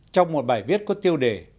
trong một bài viết có tiêu đề